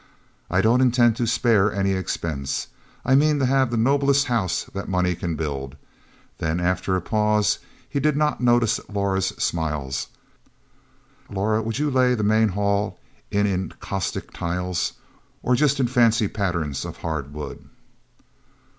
I don't intend to spare any expense; I mean to have the noblest house that money can build." Then after a pause he did not notice Laura's smiles "Laura, would you lay the main hall in encaustic tiles, or just in fancy patterns of hard wood?"